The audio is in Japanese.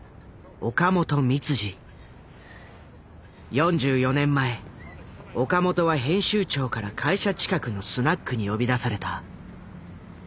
４４年前岡本は編集長から会社近くのスナックに呼び出された。